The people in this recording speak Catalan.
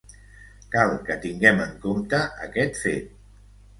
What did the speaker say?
Cal que tinguem en compte aquest fet.